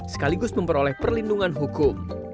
sekaligus memperoleh perlindungan hukum